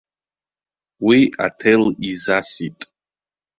Уи аҭел изасит.